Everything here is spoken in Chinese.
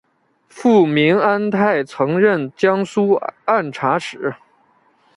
父明安泰曾任江苏按察使。